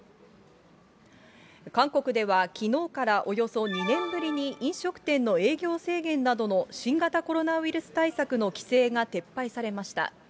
韓国では、きのうから、およそ２年ぶりに飲食店の営業制限などの新型コロナウイルス対策の規制が撤廃されました。